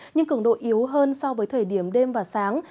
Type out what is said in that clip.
nhưng cường độ yếu hơn so với thời điểm đêm và sáng